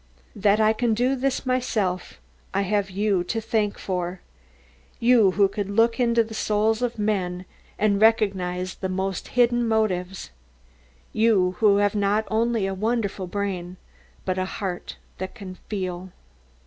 That I can do this myself, I have you to thank for, you who can look into the souls of men and recognise the most hidden motives, you who have not only a wonderful brain but a heart that can feel.